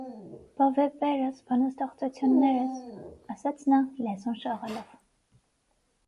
- Բա վեպերս, բանաստեղծություններս,- ասաց նա լեզուն շաղելով: